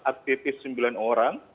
aktifis sembilan orang